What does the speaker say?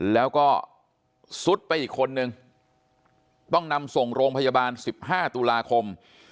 แล้วก็ซุดไปอีกคนนึงต้องนำส่งโรงพยาบาล๑๕ตุลาคม